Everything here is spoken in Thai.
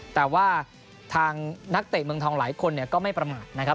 แต่ว่าทางนักเตะเมืองทองหลายคนก็ไม่ประมาทนะครับ